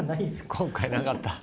今回なかった。